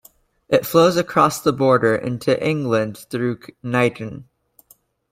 It flows across the border into England through Knighton.